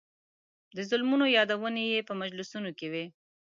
د ظلمونو یادونې یې په مجلسونو کې وې.